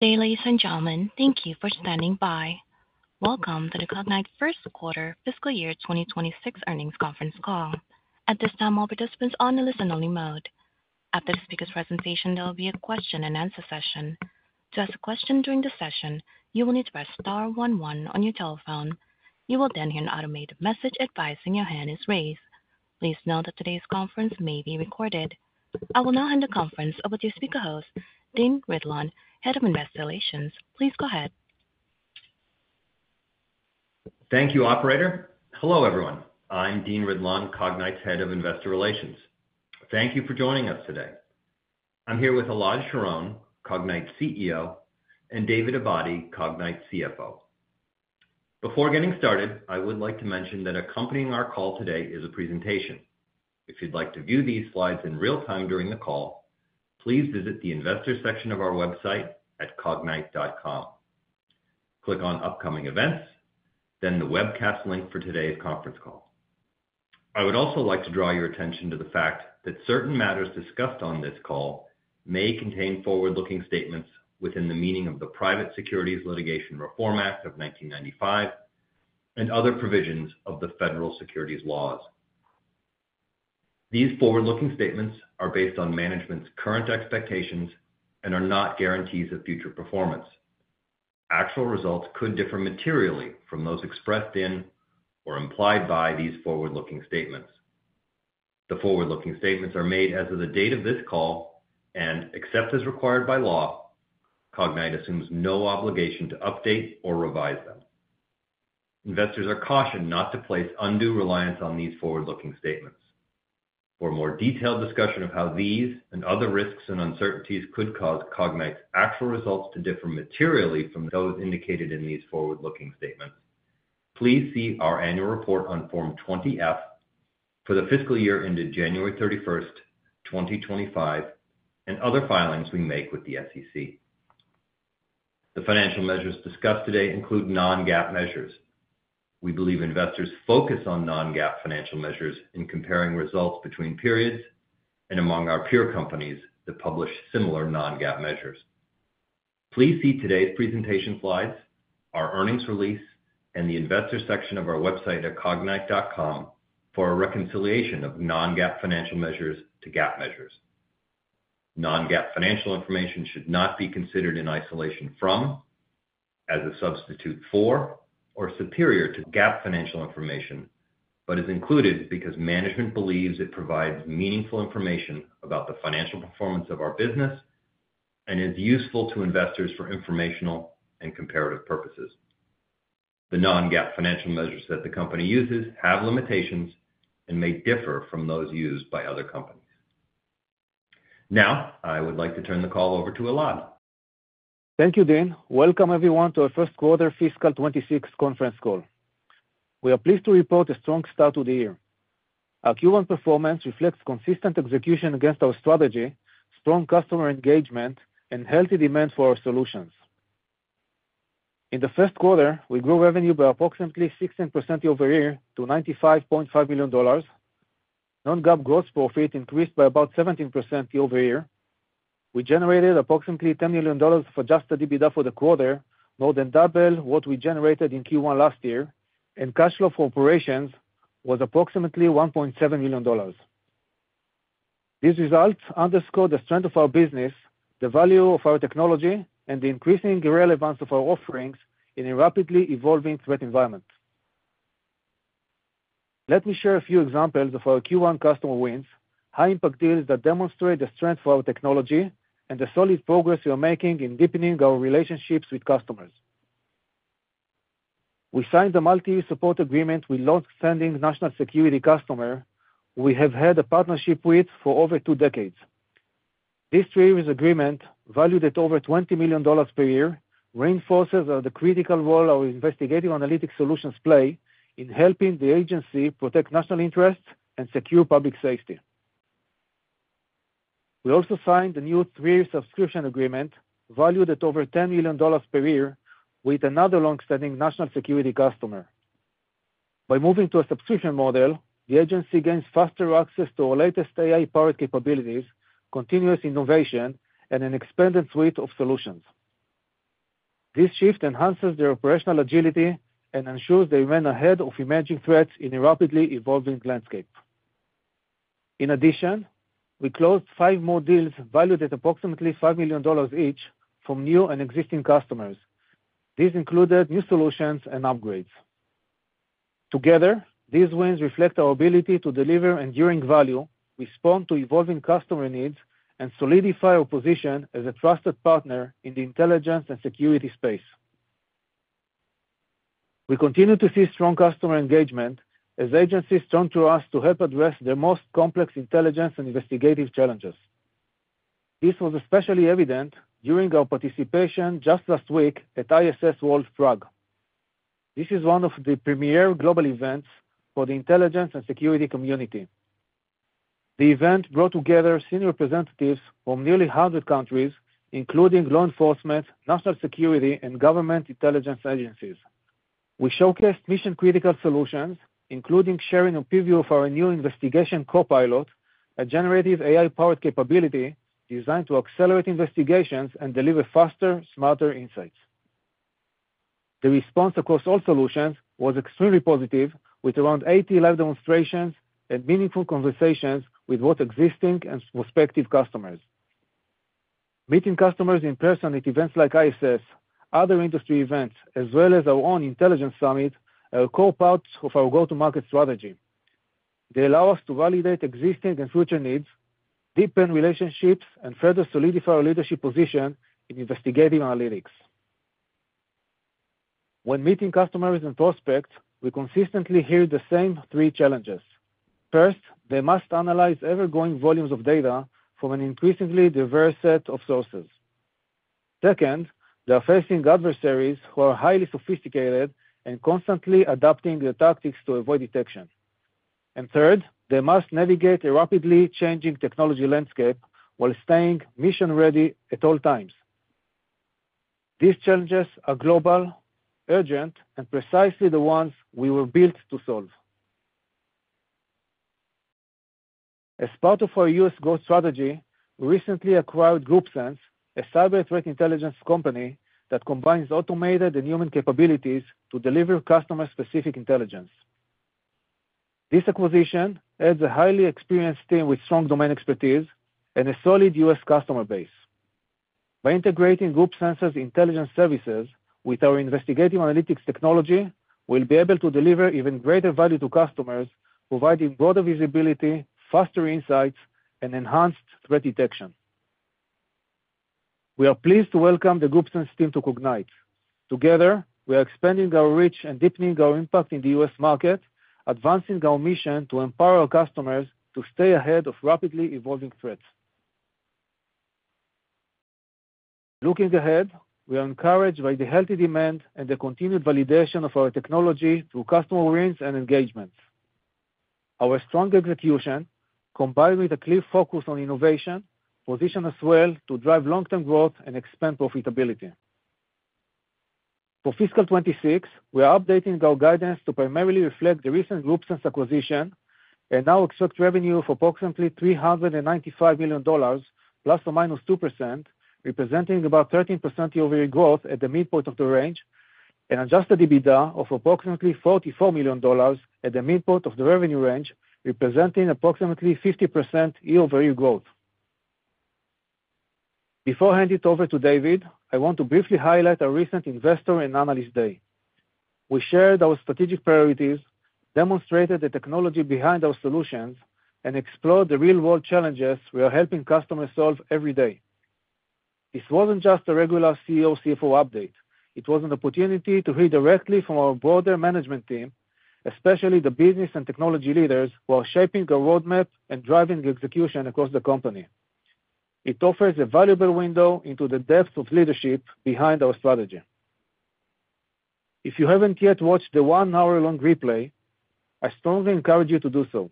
Ladies and gentlemen, thank you for standing by. Welcome to the Cognyte First Quarter Fiscal Year 2026 Earnings Conference Call. At this time, all participants are on the listen-only mode. After the speaker's presentation, there will be a question-and-answer session. To ask a question during the session, you will need to press star one one on your telephone. You will then hear an automated message advising your hand is raised. Please note that today's conference may be recorded. I will now hand the conference over to your speaker host, Dean Ridlon, Head of Investor Relations. Please go ahead. Thank you, Operator. Hello, everyone. I'm Dean Ridlon, Cognyte's Head of Investor Relations. Thank you for joining us today. I'm here with Elad Sharon, Cognyte CEO, and David Abadi, Cognyte CFO. Before getting started, I would like to mention that accompanying our call today is a presentation. If you'd like to view these slides in real time during the call, please visit the Investor section of our website at cognyte.com. Click on Upcoming Events, then the webcast link for today's conference call. I would also like to draw your attention to the fact that certain matters discussed on this call may contain forward-looking statements within the meaning of the Private Securities Litigation Reform Act of 1995 and other provisions of the federal securities laws. These forward-looking statements are based on management's current expectations and are not guarantees of future performance. Actual results could differ materially from those expressed in or implied by these forward-looking statements. The forward-looking statements are made as of the date of this call and, except as required by law, Cognyte assumes no obligation to update or revise them. Investors are cautioned not to place undue reliance on these forward-looking statements. For more detailed discussion of how these and other risks and uncertainties could cause Cognyte's actual results to differ materially from those indicated in these forward-looking statements, please see our annual report on Form 20F for the fiscal year ended January 31, 2025, and other filings we make with the SEC. The financial measures discussed today include non-GAAP measures. We believe investors focus on non-GAAP financial measures in comparing results between periods and among our peer companies that publish similar non-GAAP measures. Please see today's presentation slides, our earnings release, and the investor section of our website at cognyte.com for a reconciliation of non-GAAP financial measures to GAAP measures. Non-GAAP financial information should not be considered in isolation from, as a substitute for, or superior to GAAP financial information, but is included because management believes it provides meaningful information about the financial performance of our business and is useful to investors for informational and comparative purposes. The non-GAAP financial measures that the company uses have limitations and may differ from those used by other companies. Now, I would like to turn the call over to Elad. Thank you, Dean. Welcome, everyone, to our First Quarter Fiscal 2026 Conference Call. We are pleased to report a strong start to the year. Our Q1 performance reflects consistent execution against our strategy, strong customer engagement, and healthy demand for our solutions. In the first quarter, we grew revenue by approximately 16% year over year to $95.5 million. Non-GAAP gross profit increased by about 17% year over year. We generated approximately $10 million of adjusted EBITDA for the quarter, more than double what we generated in Q1 last year, and cash flow from operations was approximately $1.7 million. These results underscore the strength of our business, the value of our technology, and the increasing relevance of our offerings in a rapidly evolving threat environment. Let me share a few examples of our Q1 customer wins, high-impact deals that demonstrate the strength of our technology, and the solid progress we are making in deepening our relationships with customers. We signed a multi-year support agreement with a longstanding national security customer we have had a partnership with for over two decades. This three-year agreement, valued at over $20 million per year, reinforces the critical role our investigative analytics solutions play in helping the agency protect national interests and secure public safety. We also signed a new three-year subscription agreement, valued at over $10 million per year, with another longstanding national security customer. By moving to a subscription model, the agency gains faster access to our latest AI-powered capabilities, continuous innovation, and an expanded suite of solutions. This shift enhances their operational agility and ensures they remain ahead of emerging threats in a rapidly evolving landscape. In addition, we closed five more deals valued at approximately $5 million each from new and existing customers. These included new solutions and upgrades. Together, these wins reflect our ability to deliver enduring value, respond to evolving customer needs, and solidify our position as a trusted partner in the intelligence and security space. We continue to see strong customer engagement as agencies turn to us to help address their most complex intelligence and investigative challenges. This was especially evident during our participation just last week at ISS World FRAG. This is one of the premier global events for the intelligence and security community. The event brought together senior representatives from nearly 100 countries, including law enforcement, national security, and government intelligence agencies. We showcased mission-critical solutions, including sharing a preview of our new Investigation Copilot, a generative AI-powered capability designed to accelerate investigations and deliver faster, smarter insights. The response across all solutions was extremely positive, with around 80 live demonstrations and meaningful conversations with both existing and prospective customers. Meeting customers in person at events like ISS, other industry events, as well as our own intelligence summit, are core parts of our go-to-market strategy. They allow us to validate existing and future needs, deepen relationships, and further solidify our leadership position in investigative analytics. When meeting customers and prospects, we consistently hear the same three challenges. First, they must analyze ever-growing volumes of data from an increasingly diverse set of sources. Second, they are facing adversaries who are highly sophisticated and constantly adapting their tactics to avoid detection. Third, they must navigate a rapidly changing technology landscape while staying mission-ready at all times. These challenges are global, urgent, and precisely the ones we were built to solve. As part of our U.S. growth strategy, we recently acquired GroupSense, a cyber threat intelligence company that combines automated and human capabilities to deliver customer-specific intelligence. This acquisition adds a highly experienced team with strong domain expertise and a solid U.S. customer base. By integrating GroupSense's intelligence services with our investigative analytics technology, we'll be able to deliver even greater value to customers, providing broader visibility, faster insights, and enhanced threat detection. We are pleased to welcome the GroupSense team to Cognyte. Together, we are expanding our reach and deepening our impact in the U.S. market, advancing our mission to empower our customers to stay ahead of rapidly evolving threats. Looking ahead, we are encouraged by the healthy demand and the continued validation of our technology through customer wins and engagements. Our strong execution, combined with a clear focus on innovation, positions us well to drive long-term growth and expand profitability. For Fiscal 2026, we are updating our guidance to primarily reflect the recent GroupSense acquisition and now expect revenue of approximately $395 million, ±2%, representing about 13% year over year growth at the midpoint of the range, and adjusted EBITDA of approximately $44 million at the midpoint of the revenue range, representing approximately 50% year over year growth. Before I hand it over to David, I want to briefly highlight our recent investor and analyst day. We shared our strategic priorities, demonstrated the technology behind our solutions, and explored the real-world challenges we are helping customers solve every day. This wasn't just a regular CEO/CFO update. It was an opportunity to hear directly from our broader management team, especially the business and technology leaders who are shaping our roadmap and driving execution across the company. It offers a valuable window into the depths of leadership behind our strategy. If you have not yet watched the one-hour-long replay, I strongly encourage you to do so.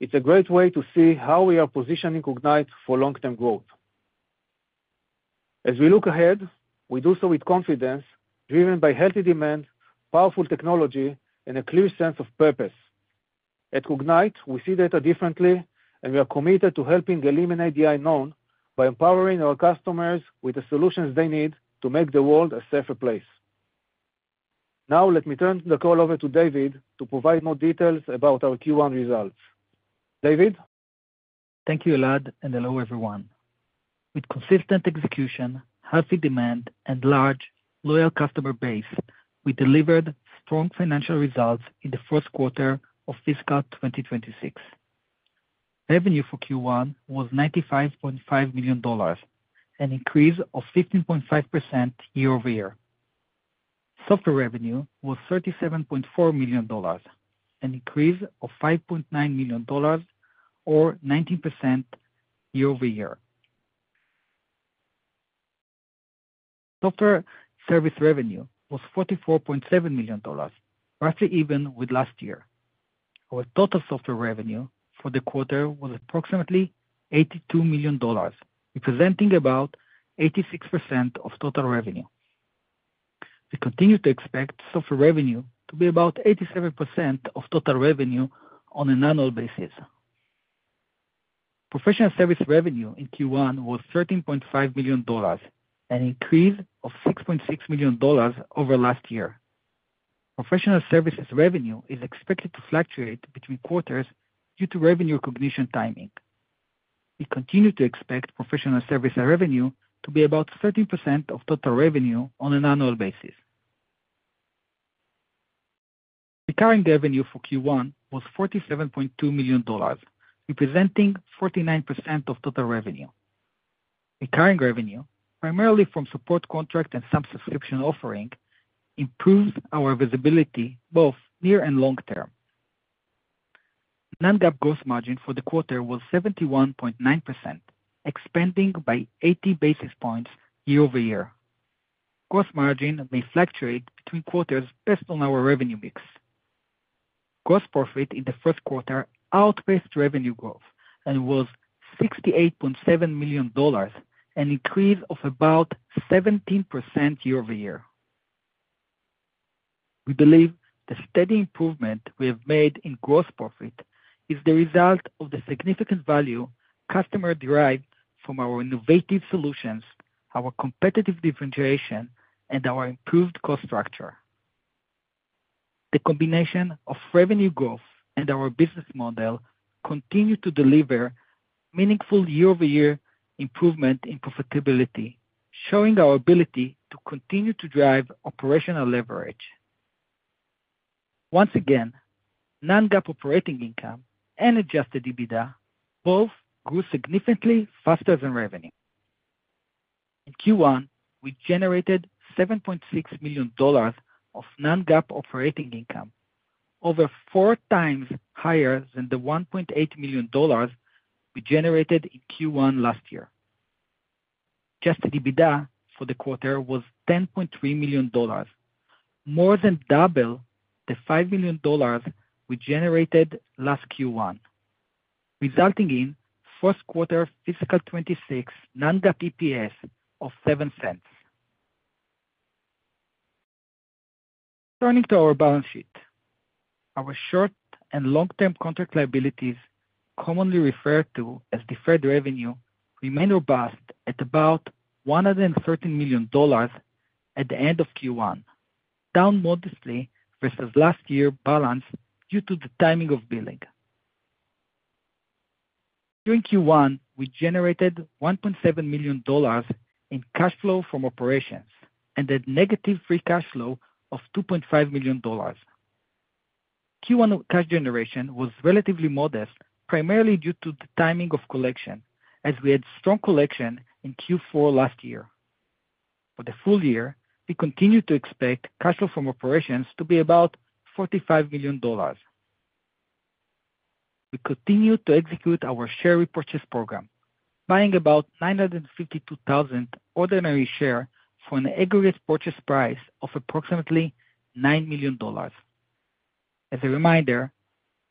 It is a great way to see how we are positioning Cognyte for long-term growth. As we look ahead, we do so with confidence, driven by healthy demand, powerful technology, and a clear sense of purpose. At Cognyte, we see data differently, and we are committed to helping eliminate the unknown by empowering our customers with the solutions they need to make the world a safer place. Now, let me turn the call over to David to provide more details about our Q1 results. David. Thank you, Elad, and hello, everyone. With consistent execution, healthy demand, and large, loyal customer base, we delivered strong financial results in the first quarter of Fiscal 2026. Revenue for Q1 was $95.5 million, an increase of 15.5% year over year. Software revenue was $37.4 million, an increase of $5.9 million, or 19% year over year. Software service revenue was $44.7 million, roughly even with last year. Our total software revenue for the quarter was approximately $82 million, representing about 86% of total revenue. We continue to expect software revenue to be about 87% of total revenue on an annual basis. Professional service revenue in Q1 was $13.5 million, an increase of $6.6 million over last year. Professional services revenue is expected to fluctuate between quarters due to revenue recognition timing. We continue to expect professional service revenue to be about 13% of total revenue on an annual basis. Recurring revenue for Q1 was $47.2 million, representing 49% of total revenue. Recurring revenue, primarily from support contracts and some subscription offering, improves our visibility both near and long term. Non-GAAP gross margin for the quarter was 71.9%, expanding by 80 basis points year over year. Gross margin may fluctuate between quarters based on our revenue mix. Gross profit in the first quarter outpaced revenue growth and was $68.7 million, an increase of about 17% year over year. We believe the steady improvement we have made in gross profit is the result of the significant value customers derived from our innovative solutions, our competitive differentiation, and our improved cost structure. The combination of revenue growth and our business model continues to deliver meaningful year-over-year improvement in profitability, showing our ability to continue to drive operational leverage. Once again, non-GAAP operating income and adjusted EBITDA both grew significantly faster than revenue. In Q1, we generated $7.6 million of non-GAAP operating income, over four times higher than the $1.8 million we generated in Q1 last year. Adjusted EBITDA for the quarter was $10.3 million, more than double the $5 million we generated last Q1, resulting in first quarter Fiscal 2026 non-GAAP EPS of $0.07. Turning to our balance sheet, our short and long-term contract liabilities, commonly referred to as deferred revenue, remained robust at about $113 million at the end of Q1, down modestly versus last year's balance due to the timing of billing. During Q1, we generated $1.7 million in cash flow from operations and a negative free cash flow of $2.5 million. Q1 cash generation was relatively modest, primarily due to the timing of collection, as we had strong collection in Q4 last year. For the full year, we continue to expect cash flow from operations to be about $45 million. We continue to execute our share repurchase program, buying about 952,000 ordinary shares for an aggregate purchase price of approximately $9 million. As a reminder,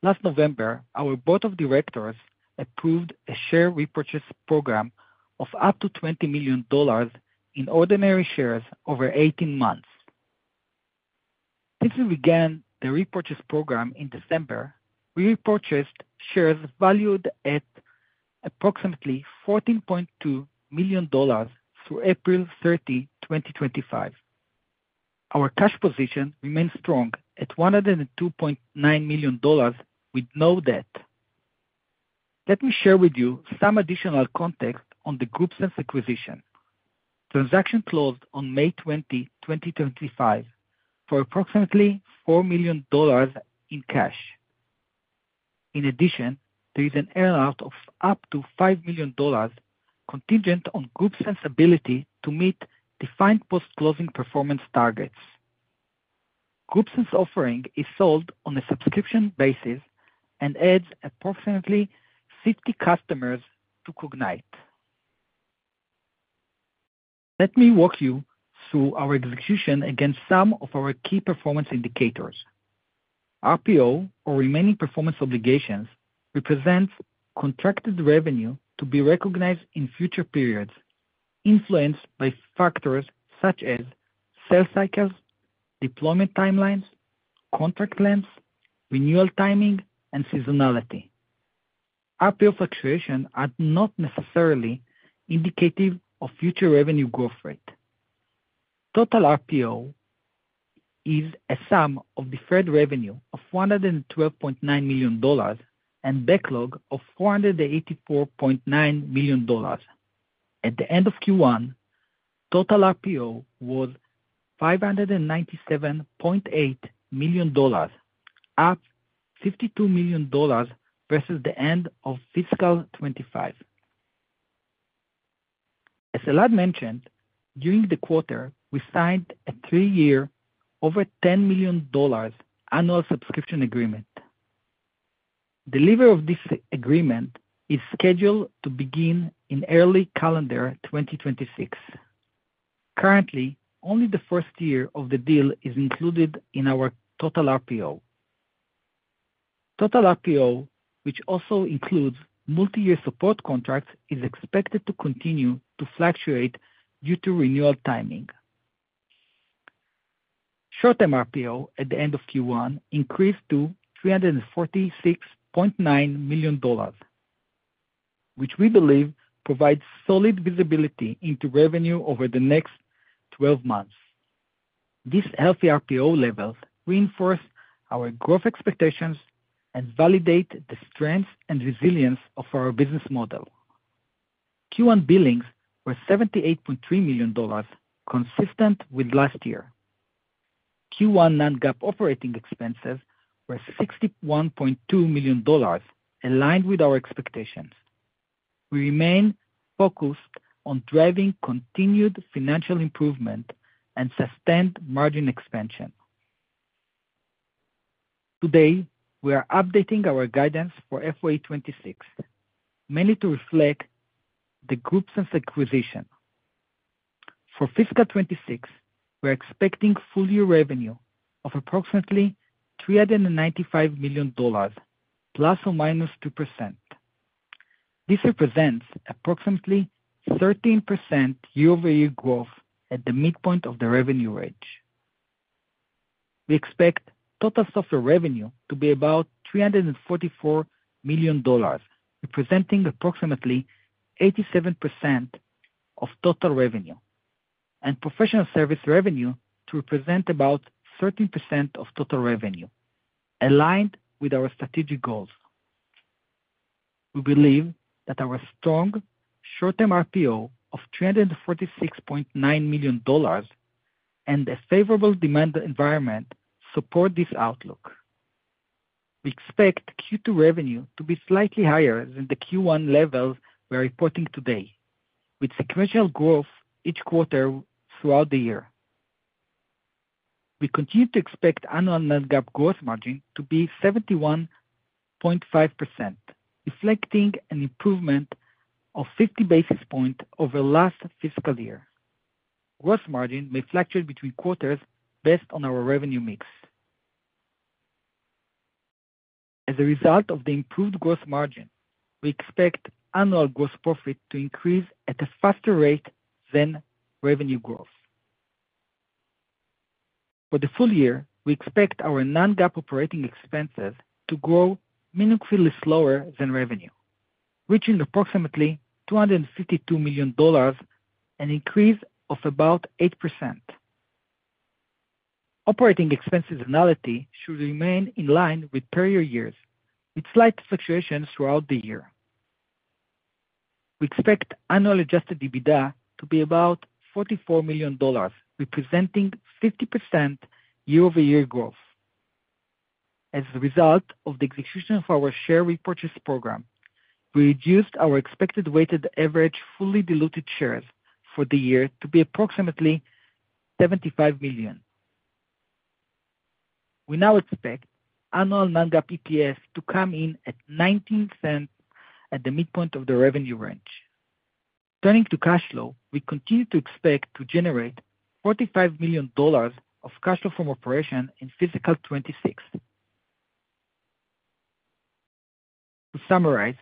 last November, our Board of Directors approved a share repurchase program of up to $20 million in ordinary shares over 18 months. Since we began the repurchase program in December, we repurchased shares valued at approximately $14.2 million through April 30, 2025. Our cash position remains strong at $102.9 million with no debt. Let me share with you some additional context on the GroupSense acquisition. Transaction closed on May 20, 2025, for approximately $4 million in cash. In addition, there is an earnout of up to $5 million contingent on GroupSense's ability to meet defined post-closing performance targets. GroupSense's offering is sold on a subscription basis and adds approximately 50 customers to Cognyte. Let me walk you through our execution against some of our key performance indicators. RPO, or remaining performance obligations, represents contracted revenue to be recognized in future periods, influenced by factors such as sales cycles, deployment timelines, contract lengths, renewal timing, and seasonality. RPO fluctuations are not necessarily indicative of future revenue growth rate. Total RPO is a sum of deferred revenue of $112.9 million and backlog of $484.9 million. At the end of Q1, total RPO was $597.8 million, up $52 million versus the end of Fiscal 2025. As Elad mentioned, during the quarter, we signed a three-year, over $10 million annual subscription agreement. Delivery of this agreement is scheduled to begin in early calendar 2026. Currently, only the first year of the deal is included in our total RPO. Total RPO, which also includes multi-year support contracts, is expected to continue to fluctuate due to renewal timing. Short-term RPO at the end of Q1 increased to $346.9 million, which we believe provides solid visibility into revenue over the next 12 months. These healthy RPO levels reinforce our growth expectations and validate the strength and resilience of our business model. Q1 billings were $78.3 million, consistent with last year. Q1 non-GAAP operating expenses were $61.2 million, aligned with our expectations. We remain focused on driving continued financial improvement and sustained margin expansion. Today, we are updating our guidance for FY 2026, mainly to reflect the GroupSense acquisition. For Fiscal 2026, we are expecting full-year revenue of approximately $395 million, ± 2%. This represents approximately 13% year over year growth at the midpoint of the revenue range. We expect total software revenue to be about $344 million, representing approximately 87% of total revenue, and professional service revenue to represent about 13% of total revenue, aligned with our strategic goals. We believe that our strong short-term RPO of $346.9 million and a favorable demand environment support this outlook. We expect Q2 revenue to be slightly higher than the Q1 levels we are reporting today, with sequential growth each quarter throughout the year. We continue to expect annual non-GAAP gross margin to be 71.5%, reflecting an improvement of 50 basis points over last fiscal year. Gross margin may fluctuate between quarters based on our revenue mix. As a result of the improved gross margin, we expect annual gross profit to increase at a faster rate than revenue growth. For the full year, we expect our non-GAAP operating expenses to grow meaningfully slower than revenue, reaching approximately $252 million and an increase of about 8%. Operating expense seasonality should remain in line with prior years, with slight fluctuations throughout the year. We expect annual adjusted EBITDA to be about $44 million, representing 50% year over year growth. As a result of the execution of our share repurchase program, we reduced our expected weighted average fully diluted shares for the year to be approximately 75 million. We now expect annual non-GAAP EPS to come in at $0.19 at the midpoint of the revenue range. Turning to cash flow, we continue to expect to generate $45 million of cash flow from operation in Fiscal 2026. To summarize,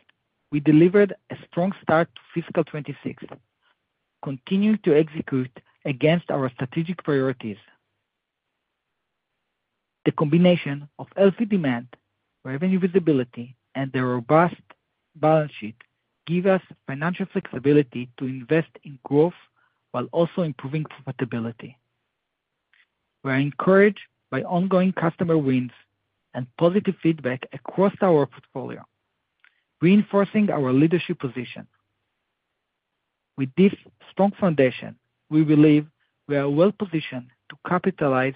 we delivered a strong start to Fiscal 2026, continuing to execute against our strategic priorities. The combination of healthy demand, revenue visibility, and the robust balance sheet gives us financial flexibility to invest in growth while also improving profitability. We are encouraged by ongoing customer wins and positive feedback across our portfolio, reinforcing our leadership position. With this strong foundation, we believe we are well positioned to capitalize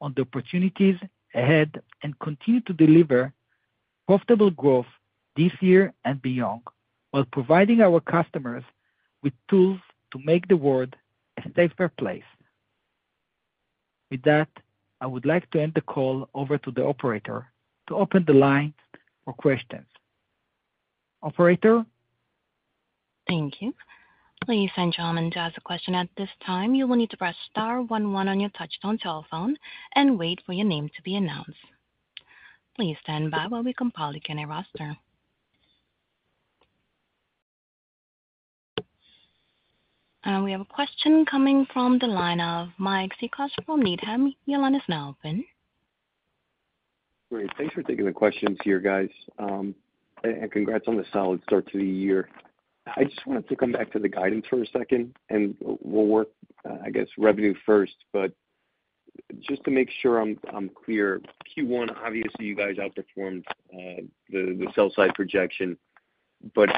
on the opportunities ahead and continue to deliver profitable growth this year and beyond while providing our customers with tools to make the world a safer place. With that, I would like to hand the call over to the operator to open the line for questions. Operator. Thank you. Please stand by to ask a question at this time. You will need to press star one one on your touchtone telephone and wait for your name to be announced. Please stand by while we compile the candidate roster. We have a question coming from the line of Mike Cikos from Needham. Your line is now open. Great. Thanks for taking the questions here, guys. Congrats on the solid start to the year. I just wanted to come back to the guidance for a second, and we'll work, I guess, revenue first. Just to make sure I'm clear, Q1, obviously, you guys outperformed the sell-side projection.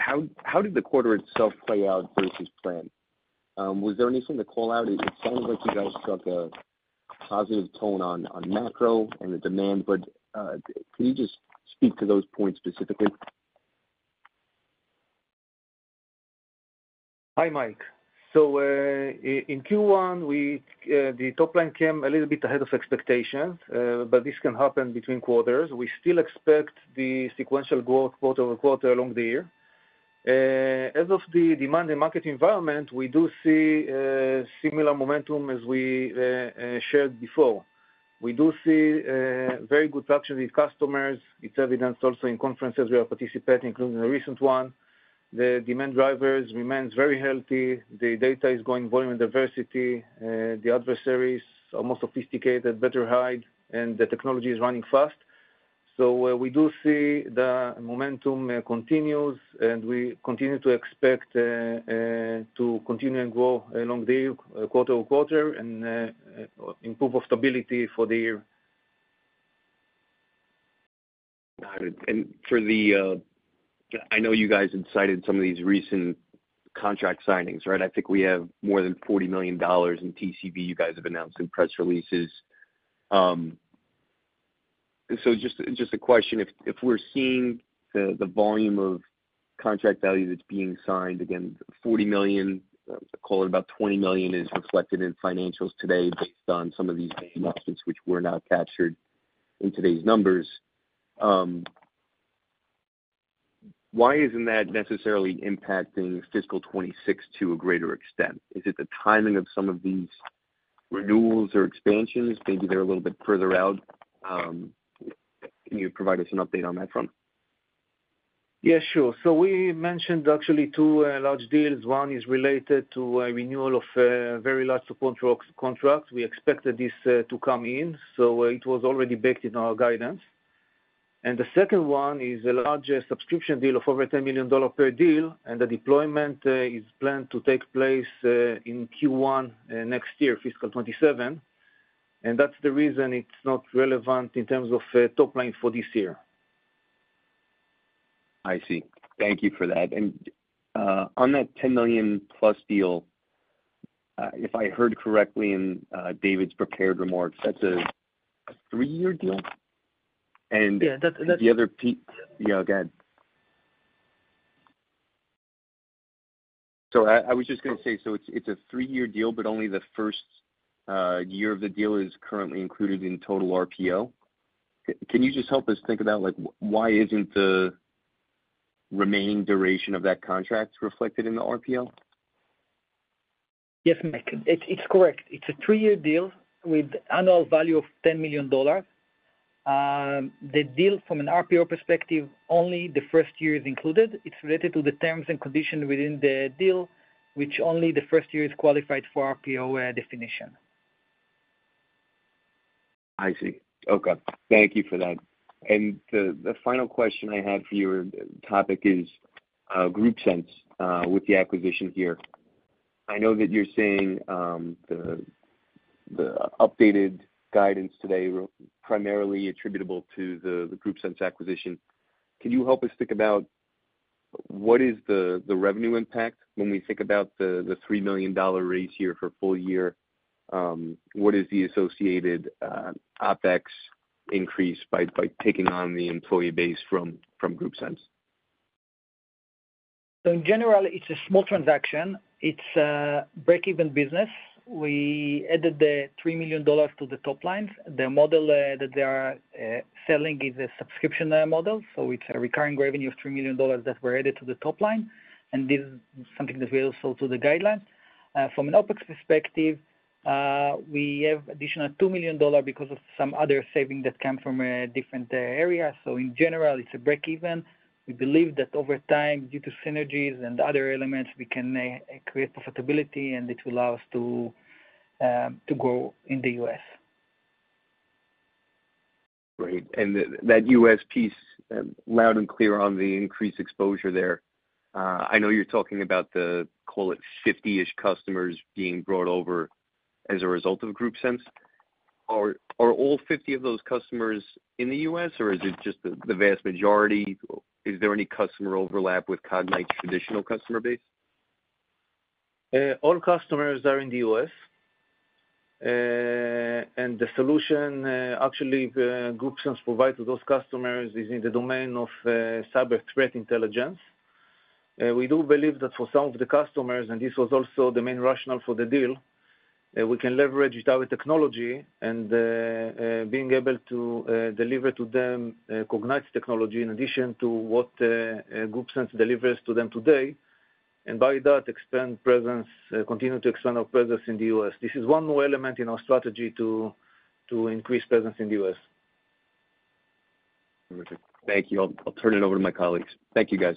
How did the quarter itself play out versus plan? Was there anything to call out? It sounded like you guys struck a positive tone on macro and the demand. Can you just speak to those points specifically? Hi, Mike. In Q1, the top line came a little bit ahead of expectations, but this can happen between quarters. We still expect the sequential growth quarter over quarter along the year. As of the demand and market environment, we do see similar momentum as we shared before. We do see very good traction with customers. It's evidenced also in conferences we are participating, including the recent one. The demand drivers remain very healthy. The data is going, volume and diversity. The adversaries are more sophisticated, better hidden, and the technology is running fast. We do see the momentum continues, and we continue to expect to continue and grow along the year quarter over quarter and improve our stability for the year. Got it. I know you guys had cited some of these recent contract signings, right? I think we have more than $40 million in TCB you guys have announced in press releases. Just a question. If we're seeing the volume of contract value that's being signed, again, $40 million, call it about $20 million is reflected in financials today based on some of these main announcements, which were not captured in today's numbers. Why isn't that necessarily impacting Fiscal 2026 to a greater extent? Is it the timing of some of these renewals or expansions? Maybe they're a little bit further out. Can you provide us an update on that front? Yeah, sure. So we mentioned actually two large deals. One is related to a renewal of very large support contracts. We expected this to come in, so it was already baked in our guidance. The second one is a larger subscription deal of over $10 million per deal, and the deployment is planned to take place in Q1 next year, Fiscal 2027. That's the reason it's not relevant in terms of top line for this year. I see. Thank you for that. On that $10+ million deal, if I heard correctly in David's prepared remarks, that's a three-year deal? The other piece, yeah, go ahead. I was just going to say, it's a three-year deal, but only the first year of the deal is currently included in total RPO. Can you just help us think about why the remaining duration of that contract isn't reflected in the RPO? Yes, Mike. It's correct. It's a three-year deal with an annual value of $10 million. The deal, from an RPO perspective, only the first year is included. It's related to the terms and conditions within the deal, which only the first year is qualified for RPO definition. I see. Okay. Thank you for that. The final question I had for your topic is GroupSense with the acquisition here. I know that you're saying the updated guidance today is primarily attributable to the GroupSense acquisition. Can you help us think about what is the revenue impact when we think about the $3 million raise here for full year? What is the associated OpEx increase by taking on the employee base from GroupSense? In general, it's a small transaction. It's a break-even business. We added the $3 million to the top line. The model that they are selling is a subscription model, so it's a recurring revenue of $3 million that we're adding to the top line. This is something that we also sold to the guidelines. From an OpEx perspective, we have an additional $2 million because of some other savings that come from different areas. In general, it's a break-even. We believe that over time, due to synergies and other elements, we can create profitability, and it will allow us to grow in the US. Great. That U.S. piece, loud and clear on the increased exposure there. I know you're talking about the, call it, 50-ish customers being brought over as a result of GroupSense. Are all 50 of those customers in the U.S., or is it just the vast majority? Is there any customer overlap with Cognyte's traditional customer base? All customers are in the U.S. The solution actually GroupSense provides to those customers is in the domain of cyber threat intelligence. We do believe that for some of the customers, and this was also the main rationale for the deal, we can leverage our technology and being able to deliver to them Cognyte's technology in addition to what GroupSense delivers to them today, and by that, continue to expand our presence in the U.S. This is one more element in our strategy to increase presence in the U.S. Terrific. Thank you. I'll turn it over to my colleagues. Thank you, guys.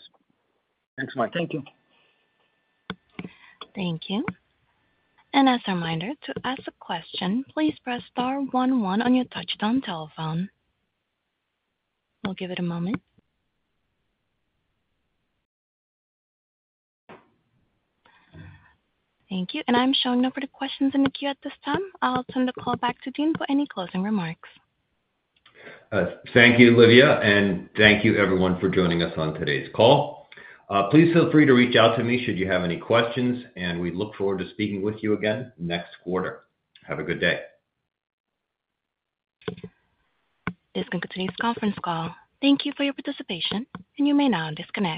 Thanks, Mike. Thank you. Thank you. As a reminder, to ask a question, please press star one one on your touch-tone telephone. We'll give it a moment. Thank you. I'm showing no further questions in the queue at this time. I'll turn the call back to Dean for any closing remarks. Thank you, Livia. Thank you, everyone, for joining us on today's call. Please feel free to reach out to me should you have any questions, and we look forward to speaking with you again next quarter. Have a good day. This concludes the conference call. Thank you for your participation, and you may now disconnect.